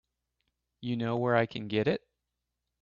You know where I can get it?